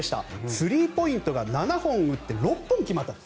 スリーポイントが７本打って６本決まった。